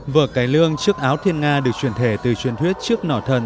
vở cải lương chiếc áo thiên nga được chuyển thể từ truyền thuyết chiếc nỏ thần